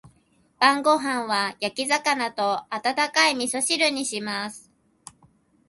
晩ご飯は焼き魚と温かい味噌汁にします。